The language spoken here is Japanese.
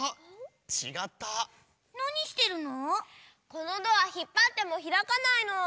このドアひっぱってもひらかないの。